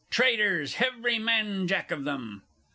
Traitors, hevery man jack of 'em!